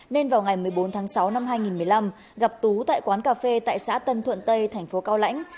nên vào ngày một mươi bốn tháng sáu năm hai nghìn một mươi năm gặp tú tại quán cà phê tại xã tân thuận tây thành phố cao lãnh